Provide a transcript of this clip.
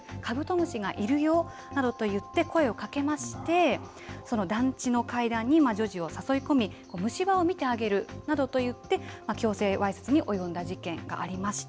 ハムスターを見せてあげるかぶとむしがいるよなどと言って声をかけまして団地の階段に女児を誘い込んで虫歯をみてあげると言って強制わいせつに及んだ事件がありました。